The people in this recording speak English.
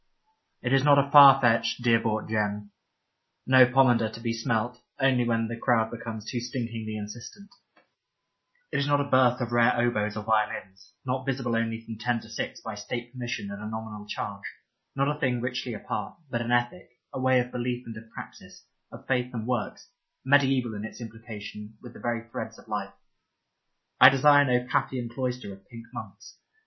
It is not a far fetched, dear bought gem ; no pomander to be smelt only when the crowd becomes too stinkingly insistent ; it is not a birth of rare oboes or violins, not visible only from ten to six by state permission at a nominal charge, not a thing richly apart, but an ethic, a way of belief and of practice, of faith and works, mediaeval in its implication with the very threads of life. I desire no Paphian cloister of pink monks.